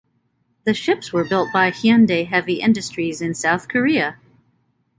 The ships were built by Hyundai Heavy Industries in South Korea.